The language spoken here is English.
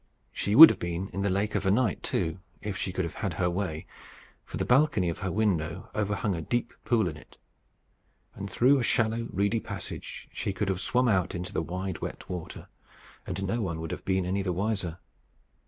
She would have been in the lake of a night, too, if she could have had her way; for the balcony of her window overhung a deep pool in it; and through a shallow reedy passage she could have swum out into the wide wet water, and no one would have been any the wiser.